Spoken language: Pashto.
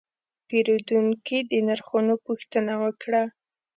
پیرودونکی د نرخونو پوښتنه وکړه.